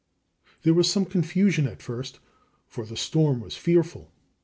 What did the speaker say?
There was some confusion at first, for the storm was fearful.